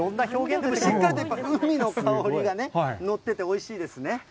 しっかりとウニの香りがのってておいしいですね。